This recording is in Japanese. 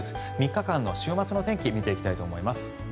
３日間の週末の天気見ていきたいと思います。